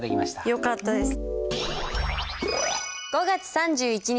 よかったです。